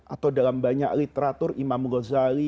atau dalam banyak literatur imam ghazali